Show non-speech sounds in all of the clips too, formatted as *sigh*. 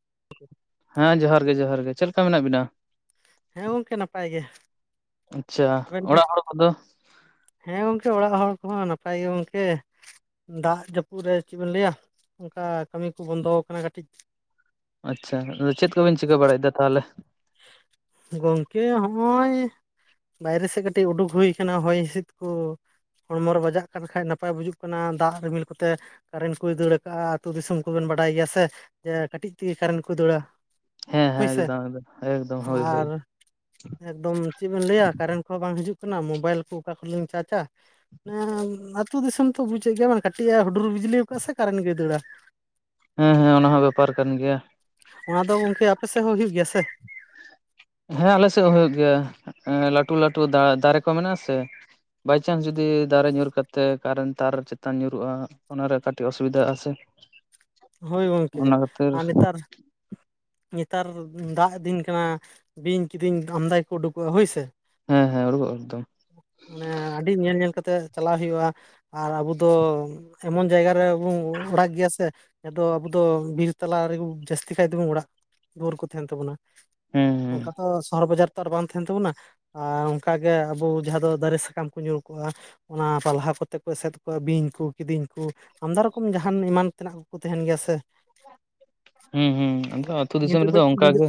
*inaudible* ᱦᱮᱸ ᱡᱚᱦᱟᱨ ᱜᱮ ᱡᱚᱦᱟᱨ ᱜᱮ। ᱪᱮᱫ ᱞᱮᱠᱟ ᱢᱮᱱᱟᱜ ᱵᱤᱱᱟ? ᱦᱮᱸ ᱜᱚᱝᱠᱮ, ᱱᱟᱯᱟᱭ ᱜᱮ। ᱟᱪᱪᱷᱟ। ᱟᱵᱮᱱ ᱜᱮ ᱚᱲᱟᱜ ᱦᱚᱲ ᱠᱚᱫᱚ? ᱦᱮᱸ ᱜᱚᱝᱠᱮ, ᱚᱲᱟᱜ ᱦᱚᱲ ᱠᱚᱦᱚᱸ ᱱᱟᱯᱟᱭ ᱜᱮ ᱜᱚᱝᱠᱮ। ᱫᱟᱜ ᱡᱟᱹᱯᱩᱫ ᱨᱮ ᱪᱤᱫ ᱵᱮᱱ ᱞᱟᱹᱭᱟ, ᱚᱱᱠᱟ ᱠᱟᱹᱢᱤ ᱠᱚ ᱵᱚᱱᱫᱚ ᱟᱠᱟᱱᱟ ᱠᱟᱹᱴᱤᱡ। ᱟᱪᱪᱷᱟ, ᱟᱫᱚ ᱪᱮᱫ ᱠᱚᱵᱤᱱ ᱪᱤᱠᱟᱹ ᱵᱟᱲᱟᱭᱫᱟ ᱛᱟᱦᱟᱞᱮ? ᱜᱚᱝᱠᱮ, ᱦᱚᱜᱼᱚᱭ ᱼᱼ ᱵᱟᱭᱨᱮ ᱥᱮᱫ ᱠᱟᱹᱴᱤᱡ ᱩᱰᱩᱠ ᱦᱩᱭ ᱠᱟᱱᱟ ᱦᱚᱭ ᱦᱤᱸᱥᱤᱫ ᱠᱩᱼᱼ ᱦᱚᱲᱢᱚ ᱨᱮ ᱵᱟᱡᱟᱜ ᱠᱟᱱ ᱠᱷᱟᱡ ᱱᱟᱯᱟᱭ ᱵᱩᱡᱩᱜ ᱠᱟᱱᱟ ᱫᱟᱜ ᱨᱤᱢᱤᱞ ᱠᱚᱛᱮ᱾ ᱠᱟᱨᱮᱱᱴ ᱠᱚᱭ ᱫᱟᱹᱲ ᱠᱟᱜᱼᱟ ᱟᱹᱛᱩ ᱫᱤᱥᱚᱢ ᱠᱚᱵᱮᱱ ᱵᱟᱰᱟᱭ ᱜᱮᱭᱟ ᱥᱮ, ᱡᱮ ᱠᱟᱹᱴᱤᱡ ᱛᱮᱜᱮ ᱠᱟᱨᱮᱱᱴ ᱠᱚᱭ ᱫᱟᱹᱲᱟ᱾ ᱦᱮᱸ ᱦᱮᱸ ᱮᱠᱫᱚᱢ ᱮᱠᱫᱚᱢ᱾ ᱮᱠᱫᱚᱢ ᱦᱳᱭ ᱦᱳᱭ ᱟᱨᱼᱼ ᱮᱠᱫᱚᱢ ᱪᱮᱫ ᱵᱮᱱ ᱞᱟᱹᱭᱟ ᱠᱟᱨᱮᱱᱴ ᱠᱚᱦᱚᱸ ᱵᱟᱝ ᱦᱤᱡᱩᱜ ᱠᱟᱱᱟ, ᱢᱳᱵᱟᱭᱤᱞ ᱠᱚ ᱚᱠᱟ ᱠᱷᱚᱱᱞᱤᱧ ᱪᱟᱨᱡᱟ᱾ *unintelligible* ᱟᱹᱛᱩ ᱫᱤᱥᱚᱢ ᱛᱚ ᱵᱩᱡᱮᱫ ᱜᱮᱭᱟ ᱵᱮᱱ ᱠᱟᱹᱴᱤᱡ ᱮ ᱦᱩᱰᱩᱨ ᱵᱤᱡᱽᱞᱤ ᱠᱟᱜᱼᱟ ᱥᱮ ᱠᱟᱨᱮᱱᱴ ᱜᱮᱭ ᱫᱟᱹᱲᱟ᱾ ᱦᱮᱸ ᱦᱮᱸ ᱚᱱᱟ ᱦᱚᱸ ᱵᱮᱯᱟᱨ ᱠᱟᱱ ᱜᱮᱭᱟ᱾ ᱚᱱᱟ ᱫᱚ ᱜᱚᱝᱠᱮ ᱟᱯᱮ ᱥᱮᱫ ᱦᱚᱸ ᱦᱩᱭᱩᱜ ᱜᱮᱭᱟ ᱥᱮ? ᱦᱮᱸ ᱟᱞᱮ ᱥᱮᱫ ᱦᱚᱸ ᱦᱩᱭᱩᱜ ᱜᱮᱭᱟ ᱞᱟᱴᱷᱩ ᱞᱟᱴᱷᱩ ᱫᱟ ᱫᱟᱨᱮ ᱠᱚ ᱢᱮᱱᱟᱜᱼᱟ ᱥᱮ᱾ ᱵᱟᱭᱪᱟᱱᱥ ᱡᱩᱫᱤ ᱫᱟᱨᱮ ᱧᱩᱨ ᱠᱟᱛᱮ ᱠᱟᱨᱮᱱᱴ ᱛᱟᱨ ᱪᱮᱛᱟᱱ ᱧᱩᱨᱩᱜᱼᱟ᱾ ᱚᱱᱟᱨᱮ ᱠᱟᱹᱴᱤᱡ ᱚᱥᱩᱵᱤᱫᱟᱜ ᱟᱥᱮ ᱾ ᱦᱳᱭ ᱜᱚᱢᱠᱮ ᱟᱨ ᱱᱮᱛᱟᱨᱼᱼ ᱱᱮᱛᱟᱨ ᱫᱟᱜ ᱫᱤᱱ ᱠᱟᱱᱟ, ᱵᱤᱧ ᱠᱤᱫᱤᱧ ᱟᱢᱫᱟ ᱜᱮᱠᱚ ᱩᱰᱩᱠᱚᱜᱼᱟ ᱦᱳᱭ ᱥᱮ᱾ ᱦᱮᱸ ᱦᱮᱸ ᱩᱰᱩᱠᱚᱜ *unintelligible* ᱢᱟᱱᱮ ᱟᱹᱰᱤ ᱧᱮᱞ ᱧᱮᱞ ᱠᱟᱛᱮ ᱪᱟᱞᱟᱜ ᱦᱩᱭᱩᱜᱼᱟ ᱟᱨ ᱟᱵᱚ ᱫᱚᱼᱼ ᱮᱢᱚᱱ ᱡᱟᱭᱜᱟ ᱨᱮ ᱟᱵᱚ ᱚᱲᱟᱜ ᱜᱮᱭᱟ ᱥᱮᱼᱼ ᱡᱟᱦᱟᱸ ᱫᱚ ᱟᱵᱚ ᱫᱚ ᱵᱤᱨ ᱛᱟᱞᱟ ᱨᱮ ᱡᱟᱹᱥᱛᱤ ᱠᱷᱟᱡ ᱛᱮᱵᱚᱱ ᱚᱲᱟᱜ ᱫᱩᱣᱟᱹᱨ ᱠᱚ ᱛᱟᱦᱮᱱ ᱛᱟᱵᱚᱱᱟ᱾ ᱦᱩᱸ᱾ ᱚᱱᱠᱟ ᱛᱚ ᱥᱚᱦᱚᱨ ᱵᱟᱡᱟᱨ ᱛᱚ ᱟᱨ ᱵᱟᱝ ᱛᱟᱦᱮᱱ ᱛᱟᱵᱚᱱᱟ᱾ ᱟᱨ ᱚᱝᱠᱟ ᱜᱮ ᱟᱵᱚ ᱡᱟᱦᱟᱸ ᱫᱚ ᱫᱟᱨᱮ ᱥᱟᱠᱟᱢ ᱠᱚ ᱧᱩᱨ ᱠᱚᱜᱼᱟ᱾ ᱚᱱᱟ ᱯᱟᱞᱦᱟ ᱠᱚᱛᱮ ᱠᱚ ᱮᱥᱮᱫ ᱠᱚᱜᱼᱟ ᱵᱤᱧ ᱠᱩ ᱠᱤᱫᱤᱧ ᱠᱩ᱾ ᱟᱢᱫᱟ ᱨᱚᱠᱚᱢ ᱡᱟᱦᱟᱱ ᱮᱢᱟᱱ ᱛᱮᱱᱟᱜ ᱠᱚᱠᱚ ᱛᱟᱦᱮᱱ ᱜᱮᱭᱟ ᱥᱮ᱾ ᱦᱩᱸ ᱦᱩᱸ ᱟᱫᱚ ᱟᱹᱛᱩ ᱧᱤᱫᱟᱹ ᱫᱤᱥᱚᱢ ᱨᱮᱫᱚ ᱵᱮᱲᱟ ᱚᱝᱠᱟ ᱧᱤᱫᱟᱹ ᱜᱮ᱾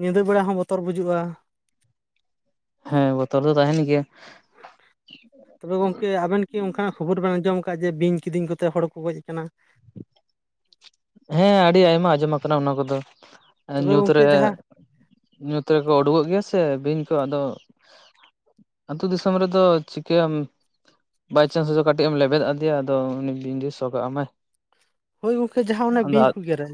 ᱧᱤᱫᱟᱹ ᱵᱮᱲᱟ ᱦᱚᱸ ᱵᱚᱛᱚᱨ ᱵᱩᱡᱩᱜᱼᱟ᱾ ᱦᱮᱸ ᱵᱚᱛᱚᱨ ᱫᱚ ᱛᱟᱦᱮᱸᱱ ᱜᱮᱭᱟ᱾ ᱛᱚᱵᱮ ᱜᱚᱢᱠᱮ ᱟᱵᱮᱱ ᱠᱤ ᱚᱱᱠᱟᱱᱟᱜ ᱠᱷᱚᱵᱚᱨ ᱵᱮᱱ ᱟᱸᱡᱚᱢ ᱟᱠᱟᱜ-ᱟ ᱡᱮ ᱵᱤᱧ ᱠᱤᱫᱤᱧ ᱠᱚᱛᱮ ᱦᱚᱲ ᱠᱚ ᱜᱚᱡ ᱠᱟᱱᱟ? ᱦᱮᱸ ᱟᱹᱰᱤ ᱟᱭᱢᱟ ᱟᱸᱡᱚᱢ ᱟᱠᱟᱱᱟ ᱚᱱᱟ ᱠᱚᱫᱚ ᱛᱚᱵᱮ ᱜᱚᱝᱠᱮ ᱧᱩᱛᱨᱮᱼᱼ ᱡᱟᱦᱟᱸ ᱧᱩᱛ ᱨᱮᱠᱚ ᱩᱰᱩᱠᱚᱜ ᱜᱮᱭᱟ ᱥᱮ ᱵᱤᱧ ᱠᱚ ᱟᱫᱚᱼᱼ ᱟᱹᱛᱩ ᱫᱤᱥᱚᱢ ᱨᱮᱫᱚ ᱪᱤᱠᱟᱹᱭᱟᱢᱼᱼ ᱵᱟᱭ ᱪᱟᱱᱥ ᱠᱟᱹᱴᱤᱡ ᱮᱢ ᱞᱮᱵᱮᱫ ᱟᱫᱮᱭᱟ, ᱟᱫᱚ ᱩᱱᱤ ᱵᱤᱝ ᱥᱚᱜᱟᱜ ᱟᱢᱟᱭ᱾ ᱦᱳᱭ ᱜᱚᱝᱠᱮ ᱡᱟᱦᱟᱸ ᱚᱱᱟ ᱵᱤᱧ ᱠᱚ ᱜᱮᱨᱮ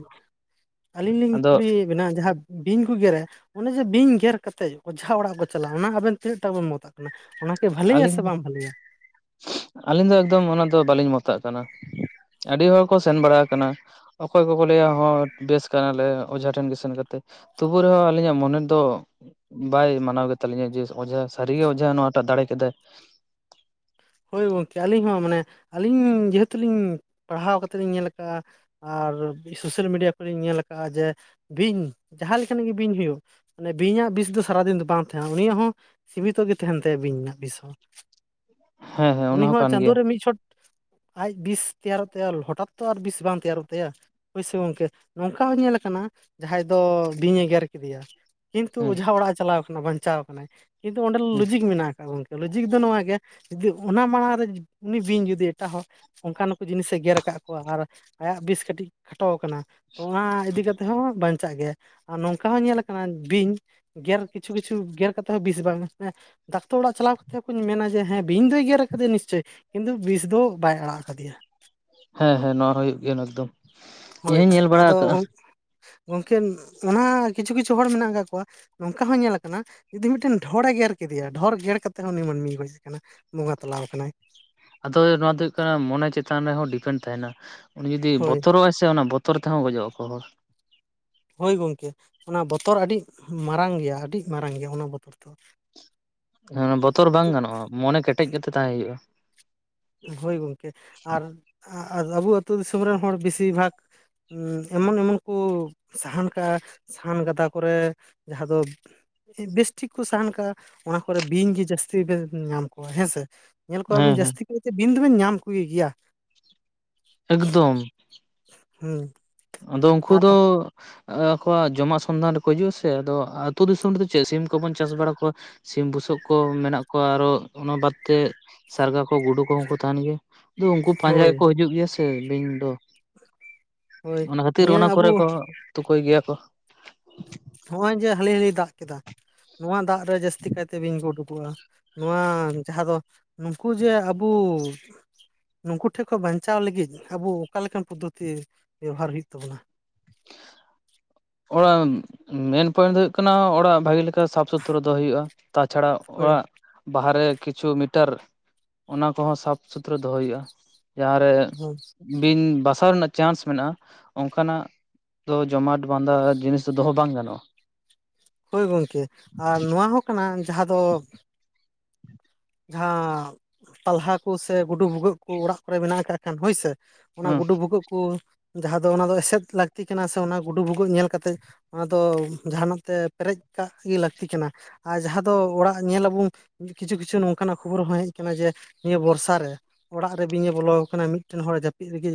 ᱟᱹᱞᱤᱧ ᱞᱤᱧ ᱟᱫᱚ ᱠᱩᱞᱤᱭᱮᱫᱼᱼ ᱢᱮᱱᱟᱜᱼᱟ ᱡᱟᱦᱟᱸ ᱵᱤᱧ ᱠᱚ ᱜᱮᱨᱮ᱾ ᱚᱱᱮ ᱡᱮ ᱵᱤᱧ ᱜᱮᱨ ᱠᱟᱛᱮ ᱚᱡᱷᱟᱜ ᱚᱲᱟᱜ ᱠᱚ ᱪᱟᱞᱟᱜ-ᱟ ᱚᱱᱟ ᱟᱵᱮᱱ ᱛᱤᱱᱟᱹᱜ ᱴᱟ ᱵᱮᱱ ᱢᱚᱛᱟ? ᱚᱱᱟᱠᱤ ᱵᱷᱟᱹᱞᱮᱭᱟ ᱟᱹᱞᱤᱧ ᱥᱮ ᱵᱟᱝ ᱵᱷᱟᱹᱞᱮᱭᱟ? ᱟᱹᱞᱤᱧ ᱫᱚ ᱮᱠᱫᱚᱢ ᱚᱱᱟ ᱫᱚ ᱵᱟᱹᱞᱤᱧ ᱢᱚᱛᱟᱜ ᱠᱟᱱᱟ, ᱟᱹᱰᱤ ᱦᱚᱲᱠᱚ ᱥᱮᱱ ᱵᱟᱲᱟ ᱠᱟᱱᱟᱼᱼ ᱚᱠᱚᱭ ᱠᱚᱠᱚ ᱞᱟᱹᱭᱟ ᱦᱚᱸ ᱵᱮᱥ ᱦᱚᱸ ᱠᱟᱜ-ᱟ ᱞᱮ ᱚᱡᱷᱟ ᱴᱷᱮᱱ ᱜᱮ ᱥᱮᱱ ᱠᱟᱛᱮ᱾ ᱛᱚᱵᱩ ᱨᱮᱦᱚᱸ ᱟᱹᱞᱤᱧᱟᱜ ᱢᱚᱱᱮ ᱫᱚᱼᱼ ᱵᱟᱭ ᱢᱟᱱᱟᱣ ᱜᱮᱛᱟᱞᱤᱧᱟ ᱡᱮ ᱚᱡᱷᱟ ᱥᱟᱹᱨᱤᱜᱮ ᱚᱡᱷᱟ ᱱᱚᱣᱟ ᱴᱟᱜ ᱫᱟᱲᱮ ᱠᱮᱫᱟᱭ᱾ ᱦᱳᱭ ᱜᱚᱢᱠᱮ ᱟᱹᱞᱤᱧ ᱦᱚᱸ ᱢᱟᱱᱮ ᱟᱹᱞᱤᱧ ᱡᱮᱦᱮᱛᱩ ᱞᱤᱧ ᱯᱟᱲᱦᱟᱣ ᱠᱟᱛᱮ ᱞᱤᱧ ᱧᱮᱞ ᱟᱠᱟᱜᱼᱟ᱾ ᱟᱨ ᱥᱳᱥᱟᱞ ᱢᱤᱰᱤᱭᱟ ᱠᱚᱨᱮᱧ ᱧᱮᱞ ᱟᱠᱟᱜᱼᱟ, ᱡᱮ ᱵᱤᱧ ᱡᱟᱦᱟᱸ ᱞᱮᱠᱟᱱᱤᱡ ᱜᱮ ᱵᱤᱧ ᱦᱩᱭᱩᱜᱼᱼ ᱢᱟᱱᱮ ᱵᱤᱧᱟᱜ ᱵᱤᱥ ᱫᱚ ᱥᱟᱨᱟᱫᱤᱱ ᱫᱚ ᱵᱟᱝ ᱛᱟᱦᱮᱱᱟ ᱩᱱᱤᱭᱟᱜ ᱦᱚᱸ, ᱥᱤᱢᱤᱛᱚ ᱜᱮ ᱛᱟᱦᱮᱱ ᱛᱟᱭᱟ ᱵᱤᱧ ᱨᱮᱱᱟᱜ ᱵᱤᱥ ᱦᱚᱸ ᱾ ᱦᱮᱸ ᱦᱮᱸ ᱚᱱᱟ ᱩᱱᱤ ᱦᱚᱸ ᱠᱟᱱ ᱜᱮᱭᱟ ᱪᱟᱸᱫᱚ ᱨᱮ ᱢᱤᱫ ᱪᱷᱚᱴ ᱟᱡ ᱵᱤᱥ ᱛᱮᱭᱟᱨᱚᱜ ᱛᱟᱭᱟ, ᱦᱚᱴᱟᱛ ᱛᱚ ᱟᱨ ᱵᱤᱥ ᱵᱟᱝ ᱛᱮᱭᱟᱨᱚᱜ ᱛᱟᱭᱟ᱾ ᱦᱳᱭ ᱥᱮ ᱜᱚᱢᱠᱮ, ᱱᱚᱝᱠᱟ ᱦᱚᱸ ᱧᱮᱞ ᱟᱠᱟᱱᱟ ᱡᱟᱦᱟᱸᱭ ᱫᱚ ᱵᱤᱧ ᱮ ᱜᱮᱨ ᱠᱮᱫᱮᱭᱟ᱾ ᱠᱤᱱᱛᱩ ᱦᱮᱸ ᱚᱡᱷᱟ ᱚᱲᱟᱜ ᱮ ᱪᱟᱞᱟᱣ ᱟᱠᱟᱱᱟ ᱵᱟᱧᱪᱟᱣ ᱟᱠᱟᱱᱟᱭ ᱾ ᱠᱤᱱᱛᱩ ᱚᱸᱰᱮ ᱦᱮᱸ ᱞᱚᱡᱤᱠ ᱢᱮᱱᱟᱜ ᱟᱠᱟᱫ ᱜᱮᱭᱟ ᱜᱚᱢᱠᱮ ᱾ ᱞᱚᱡᱤᱠ ᱫᱚ ᱱᱚᱣᱟ ᱜᱮᱭᱟ ᱡᱩᱫᱤ ᱚᱱᱟ ᱢᱟᱲᱟᱝ ᱨᱮ ᱩᱱᱤ ᱵᱤᱧ ᱡᱩᱫᱤ ᱮᱴᱟᱜ ᱦᱚᱲᱼᱼ ᱚᱱᱠᱟᱱ ᱠᱚ ᱡᱤᱱᱤᱥᱮ ᱜᱮᱨ ᱟᱠᱟᱫ ᱠᱚᱣᱟ ᱟᱨ ᱟᱭᱟᱜ ᱵᱤᱥ ᱠᱟᱹᱴᱤᱡ ᱠᱷᱟᱴᱚᱣᱟ ᱠᱟᱱᱟ ᱛᱚ ᱚᱱᱟ ᱤᱫᱤ ᱠᱟᱛᱮᱼᱼ ᱛᱮᱦᱚᱸ ᱵᱟᱧᱪᱟᱜ ᱜᱮᱭᱟ ᱟᱨ ᱱᱚᱝᱠᱟ ᱦᱚᱸ ᱧᱮᱞ ᱟᱠᱟᱱᱟ ᱵᱤᱧᱼᱼ ᱜᱮᱨ ᱠᱤᱪᱷᱩ ᱠᱤᱪᱷᱩ ᱜᱮᱨ ᱠᱟᱛᱮ ᱦᱚᱸ ᱵᱤᱥ ᱵᱟᱝ ᱰᱟᱠᱛᱚᱨ ᱚᱲᱟᱜ ᱪᱟᱞᱟᱣ ᱠᱟᱛᱮ ᱦᱚᱸᱧ ᱢᱮᱱᱟ ᱡᱮ ᱦᱮᱸᱼᱼ ᱵᱤᱧ ᱫᱚᱭ ᱜᱮᱨ ᱟᱠᱟᱫᱮᱭᱟ ᱱᱤᱥᱪᱳᱭ ᱠᱤᱱᱛᱩ ᱵᱤᱥ ᱫᱚ ᱵᱟᱭ ᱟᱲᱟᱜ ᱟᱠᱟᱫᱮᱭᱟ ᱾ ᱦᱮᱸ ᱦᱮᱸ, ᱱᱚᱣᱟ ᱦᱩᱭᱩᱜ ᱜᱮᱭᱟ ᱮᱠᱫᱚᱢ ᱾ ᱤᱧ ᱦᱳᱭ ᱦᱚᱸᱧ ᱧᱮᱞ ᱵᱟᱲᱟ ᱟᱫᱚ ᱟᱠᱟᱜᱼᱟ ᱾ ᱜᱚᱝᱠᱮ ᱚᱱᱟ ᱠᱤᱪᱷᱩ ᱠᱤᱪᱷᱩ ᱦᱚᱲ ᱢᱮᱱᱟᱜ ᱟᱠᱟᱜ ᱠᱚᱣᱟᱼᱼ ᱱᱚᱝᱠᱟ ᱦᱚᱸ ᱧᱮᱞ ᱟᱠᱟᱱᱟ ᱡᱩᱫᱤ ᱢᱤᱫᱴᱮᱱ ᱰᱷᱚᱨᱮ ᱜᱮᱨ ᱠᱮᱫᱮᱭᱟ ᱰᱷᱚᱨ ᱜᱮᱨ ᱠᱟᱛᱮᱫ ᱦᱚᱸ ᱩᱱᱤ ᱢᱟᱹᱱᱢᱤᱭ ᱜᱚᱡ ᱠᱟᱱᱟ᱾ ᱵᱚᱸᱜᱟ ᱛᱟᱞᱟᱣ ᱠᱟᱱᱟᱭ᱾ ᱟᱫᱚ ᱱᱚᱣᱟ ᱫᱚ ᱦᱳᱭᱳᱜ ᱠᱟᱱᱟ ᱢᱚᱱᱮ ᱪᱮᱛᱟᱱ ᱨᱮᱦᱚᱸ ᱰᱤᱯᱮᱱᱰ ᱛᱟᱦᱮᱱᱟ ᱩᱱᱤ ᱡᱩᱫᱤ ᱦᱳᱭ ᱵᱚᱛᱚᱨᱚᱜ ᱟᱭ ᱥᱮ ᱚᱱᱟ ᱵᱚᱼᱼ ᱵᱚᱛᱚᱨ ᱛᱮᱦᱚᱸ ᱜᱚᱡᱚᱜ ᱟᱠᱚ ᱦᱚᱲ᱾ ᱦᱳᱭ ᱜᱚᱢᱠᱮ ᱚᱱᱟ ᱵᱚᱛᱚᱨ ᱟᱹᱰᱤ ᱢᱟᱨᱟᱝ ᱜᱮᱭᱟ ᱟᱹᱰᱤ ᱢᱟᱨᱟᱝ ᱜᱮᱭᱟ ᱚᱱᱟ ᱵᱚᱛᱚᱨ ᱫᱚᱼᱼ *inaudible* ᱦᱮ ᱵᱚᱛᱚᱨ ᱵᱟᱝ ᱜᱟᱱᱚᱜᱼᱟ ᱢᱚᱱᱮ ᱠᱮᱴᱮᱡ ᱠᱟᱛᱮ ᱛᱟᱦᱮᱸ ᱦᱳᱭᱳᱜᱼᱟ᱾ ᱦᱳᱭ ᱜᱚᱢᱠᱮ ᱟᱨ ᱟᱵᱚ ᱟᱹᱛᱩ ᱫᱤᱥᱚᱢ ᱨᱮᱱ ᱦᱚᱲ ᱵᱮᱥᱤᱨ ᱵᱷᱟᱜᱽ ᱼᱼ ᱮᱢᱚᱱ ᱮᱢᱚᱱ ᱠᱚ ᱥᱟᱦᱟᱱ ᱠᱟᱜᱼᱟ ᱥᱟᱦᱟᱱ ᱜᱟᱰᱟ ᱠᱚᱨᱮ ᱡᱟᱦᱟᱸ ᱫᱚᱼᱼ ᱵᱮᱥᱴᱷᱤᱠ ᱠᱚ ᱥᱟᱦᱟᱱ ᱠᱟᱜᱼᱟ ᱚᱱᱟ ᱠᱚᱨᱮ ᱵᱤᱧ ᱜᱮ ᱡᱟᱹᱥᱛᱤ ᱵᱮᱱ ᱧᱟᱢ ᱠᱚᱣᱟ ᱦᱮᱸᱥᱮ? ᱧᱮᱞ ᱦᱮᱸ ᱠᱚᱣᱟᱵᱤᱱ ᱦᱮᱸ ᱡᱟᱹᱥᱛᱤ ᱠᱟᱭᱛᱮ ᱵᱤᱱ ᱫᱚᱵᱤᱱ ᱧᱟᱢ ᱠᱚᱜᱮ ᱜᱮᱭᱟ? ᱮᱠᱫᱚᱢ᱾ ᱦᱩᱸ᱾ ᱟᱫᱚ ᱩᱱᱠᱩ ᱟᱨ ᱫᱚᱼᱼ ᱟᱠᱚᱣᱟᱜ ᱡᱚᱢᱟᱜ ᱥᱚᱱᱫᱷᱟᱱ ᱨᱮᱠᱚ ᱦᱤᱡᱩᱜᱼ ᱟᱥᱮ ᱟᱫᱚ ᱟᱹᱛᱩ ᱫᱤᱥᱚᱢ ᱨᱮᱫᱚ ᱪᱮᱫ ᱥᱤᱢ ᱠᱚᱵᱚᱱ ᱪᱟᱥ ᱵᱟᱲᱟ ᱠᱚᱣᱟᱼᱼ ᱥᱤᱢ ᱵᱩᱥᱟᱹᱜ ᱠᱚ ᱢᱮᱱᱟᱜ ᱠᱚᱣᱟ ᱟᱨᱚ ᱚᱱᱟ ᱵᱟᱫᱛᱮ ᱥᱟᱨᱜᱟ ᱠᱚ ᱜᱩᱰᱩ ᱠᱚᱦᱚᱸ ᱠᱚ ᱛᱟᱦᱮᱱ ᱜᱮᱭᱟᱼᱼ ᱩᱱᱠᱩ ᱯᱟᱸᱡᱟ ᱦᱳᱭ ᱜᱮᱠᱚ ᱦᱤᱡᱩᱜ ᱜᱮᱭᱟ ᱥᱮ ᱵᱤᱧ ᱫᱚ᱾ ᱦᱳᱭ ᱚᱱᱟ ᱠᱷᱟᱹᱛᱤᱨ ᱱᱤᱭᱟᱹ ᱚᱱᱟ ᱟᱵᱚ ᱠᱚᱨᱮ ᱠᱚ ᱛᱩᱠᱟᱹᱭ ᱜᱮᱭᱟ ᱠᱚ᱾ ᱱᱚᱜᱼᱚᱭ ᱡᱮ ᱦᱟᱹᱞᱤ ᱦᱟᱹᱞᱤ ᱫᱟᱜ ᱠᱮᱫᱟ ᱱᱚᱣᱟ ᱫᱟᱜ ᱨᱮ ᱡᱟᱹᱥᱛᱤ ᱠᱟᱭᱛᱮ ᱵᱤᱧ ᱠᱩ ᱩᱰᱩᱠᱚᱜᱼᱟ᱾ ᱱᱚᱣᱟ ᱡᱟᱦᱟᱸ ᱫᱚ ᱱᱩᱠᱩ ᱡᱮ ᱟᱵᱩᱼᱼ ᱱᱩᱠᱩ ᱴᱷᱮᱱ ᱠᱷᱚᱱ ᱵᱟᱧᱪᱟᱣ ᱞᱟᱹᱜᱤᱫ ᱟᱵᱩ ᱚᱠᱟ ᱞᱮᱠᱟᱱ ᱯᱚᱫᱽᱫᱷᱚᱛᱤ ᱵᱮᱣᱦᱟᱨ ᱦᱩᱭᱩᱜ ᱛᱟᱵᱚᱱᱟᱼᱼ *inaudible* ᱚᱲᱟᱜ ᱢᱮᱱ ᱯᱚᱭᱮᱱᱴ ᱫᱚ ᱦᱩᱭᱩᱜ ᱠᱟᱱᱟ ᱚᱲᱟᱜ ᱵᱷᱟᱜᱤ ᱞᱮᱠᱟ ᱥᱟᱯ ᱥᱩᱛᱨᱚ ᱫᱚᱦᱚ ᱦᱩᱭᱩᱜᱼᱟ ᱛᱟᱪᱷᱟᱲᱟᱼᱼ ᱦᱳᱭ ᱚᱲᱟᱜ ᱵᱟᱦᱟᱨᱮ ᱠᱤᱪᱷᱩ ᱢᱤᱴᱟᱨ ᱚᱱᱟ ᱠᱚᱦᱚᱸ ᱥᱟᱯᱷ ᱥᱩᱛᱨᱟᱹ ᱫᱚᱦᱚᱭ ᱦᱩᱭᱩᱜᱼᱟ᱾ ᱡᱟᱦᱟᱸ ᱨᱮ ᱦᱳᱭ ᱵᱤᱧ ᱵᱟᱥᱟᱣ ᱨᱮᱱᱟᱜ ᱪᱟᱱᱥ ᱢᱮᱱᱟᱜᱼᱟ ᱚᱱᱠᱟᱱᱟᱜᱼᱼ ᱡᱚᱢᱟᱴ ᱵᱟᱸᱫᱟ ᱡᱤᱱᱤᱥ ᱫᱚ ᱫᱚᱦᱚ ᱵᱟᱝ ᱜᱟᱱᱚᱜᱼᱟ᱾ ᱦᱳᱭ ᱜᱚᱢᱠᱮ ᱟᱨ ᱱᱚᱣᱟ ᱦᱚᱸ ᱠᱟᱱᱟ ᱡᱟᱦᱟᱸ ᱫᱚᱼᱼ ᱡᱟᱦᱟᱸ ᱯᱟᱞᱦᱟ ᱠᱚ ᱥᱮ ᱜᱩᱰᱩ ᱵᱷᱩᱜᱟᱹᱜ ᱠᱚ ᱚᱲᱟᱜ ᱠᱚᱨᱮ ᱢᱮᱱᱟᱜ ᱠᱟᱜ ᱠᱷᱟᱱ ᱦᱳᱭᱥᱮ᱾ ᱚᱱᱟ ᱦᱮᱸ ᱜᱩᱰᱩ ᱵᱷᱩᱜᱟᱹᱜ ᱠᱚ ᱡᱟᱦᱟᱸ ᱫᱚ ᱚᱱᱟ ᱫᱚ ᱮᱥᱮᱫ ᱞᱟᱹᱠᱛᱤ ᱠᱟᱱᱟ ᱥᱮ ᱚᱱᱟ ᱜᱩᱰᱩ ᱵᱷᱩᱜᱟᱹᱜ ᱧᱮᱞ ᱠᱟᱛᱮᱫᱼᱼ ᱚᱱᱟ ᱫᱚ ᱡᱟᱦᱟᱱᱟᱜ ᱛᱮ ᱯᱮᱨᱮᱡ ᱠᱟᱜ ᱜᱮ ᱞᱟᱹᱠᱛᱤ ᱠᱟᱱᱟᱼᱼ ᱟᱨ ᱡᱟᱦᱟᱸ ᱫᱚ ᱚᱲᱟᱜ ᱧᱮᱞᱟᱵᱚᱱ ᱠᱤᱪᱷᱩ ᱠᱤᱪᱷᱩ ᱱᱚᱝᱼᱼ ᱠᱟᱱᱟᱜ ᱠᱷᱚᱵᱚᱨ ᱦᱚᱸ ᱦᱮᱡ ᱠᱟᱱᱟ ᱡᱮ ᱱᱤᱭᱟᱹ ᱵᱚᱨᱥᱟ ᱨᱮᱼᱼ ᱚᱲᱟᱜ ᱨᱮ ᱵᱤᱧᱮ ᱵᱚᱞᱚ ᱟᱠᱚ ᱠᱟᱱᱟ ᱢᱤᱫᱴᱮᱱ ᱦᱚᱲ ᱡᱟᱹᱯᱤᱫ ᱨᱮᱜᱮᱼᱼ